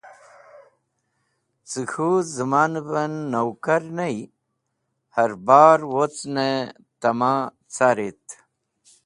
Cẽ k̃hũ zẽmanvẽn nowkar ney harbar wocnẽ tẽma carit